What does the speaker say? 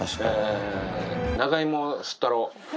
長芋すったろ。